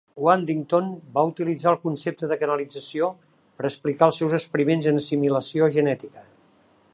Waddington va utilitzar el concepte de canalització per explicar els seus experiments en assimilació genètica.